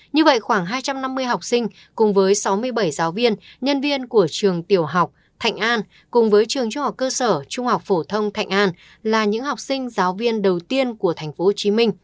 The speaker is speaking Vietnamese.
như vậy khoảng hai trăm năm mươi học sinh cùng với sáu mươi bảy giáo viên nhân viên của trường tiểu học thạnh an cùng với trường trung học cơ sở trung học phổ thông thạnh an là những học sinh giáo viên đầu tiên của tp hcm